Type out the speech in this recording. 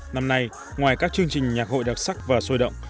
năm nay ngoài các chương trình nhạc hội đặc sắc và sôi động